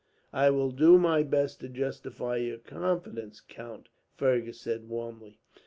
"I will do my best to justify your confidence, count," Fergus said warmly.